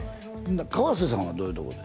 河さんはどういうとこで？